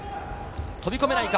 飛び込めないか。